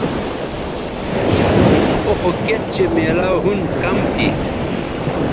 او خو کِت چہء میلاو ھُن کم تھی